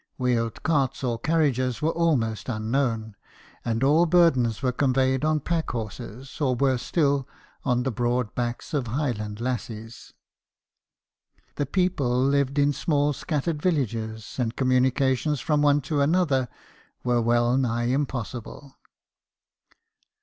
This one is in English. Wheeled carts or carriages were almost unknown, and all burdens were conveyed on pack horses, or, worse still, on the broad backs of Highland lassies. The people lived in small scattered villages, and communications from one to another were well nigh impossible.